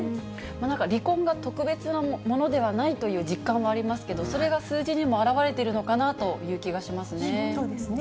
なんか離婚が特別なものではないという実感はありますけれども、それが数字にも表れているのかなという気がしますね。